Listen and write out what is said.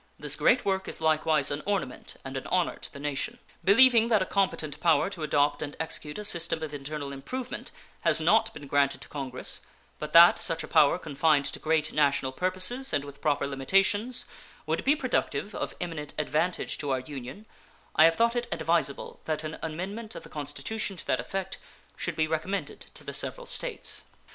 This great work is likewise an ornament and an honor to the nation. Believing that a competent power to adopt and execute a system of internal improvement has not been granted to Congress, but that such a power, confined to great national purposes and with proper limitations, would be productive of eminent advantage to our Union, I have thought it advisable that an amendment of the Constitution to that effect should be recommended to the several States.